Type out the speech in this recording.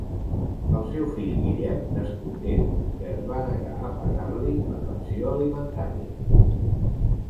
El seu fill Guillem descontent, que es va negar a pagar-li la pensió alimentària.